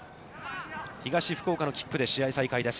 東福岡のキックで試合再開です。